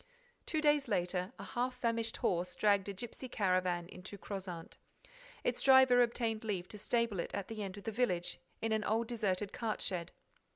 Two days later, a half famished horse dragged a gipsy caravan into Crozant. Its driver obtained leave to stable it at the end of the village, in an old deserted cart shed.